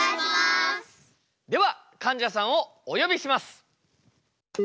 ではかんじゃさんをお呼びします！